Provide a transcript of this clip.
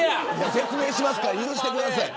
説明しますから許してください。